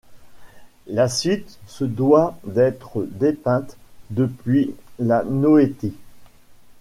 La suite se doit d’être dépeinte depuis la noétie.